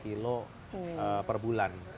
kilo per bulan